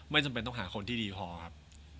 จำเป็นต้องหาคนที่ดีพอครับ